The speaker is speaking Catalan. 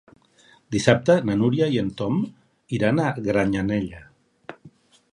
Dissabte na Núria i en Tom iran a Granyanella.